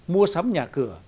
mua sắm nhà cửa